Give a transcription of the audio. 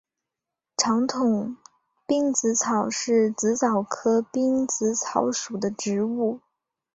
长筒滨紫草是紫草科滨紫草属的植物。